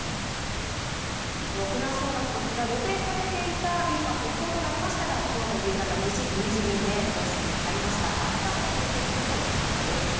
沖縄尚学ですが予定されていた便は欠航となりましたが今日の夕方無事、臨時便で甲子園に入りまして明日から調整するということです。